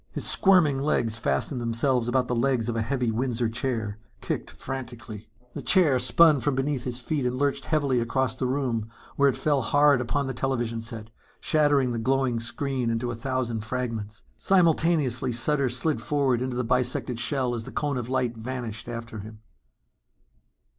His squirming legs fastened themselves about the legs of a heavy Windsor chair, kicked frantically. The chair spun from between his feet and lurched heavily across the room where it fell hard upon the television set, shattering the glowing screen into a thousand fragments. Simultaneously, Sutter slid forward into the bisected shell as the cone of light vanished after him....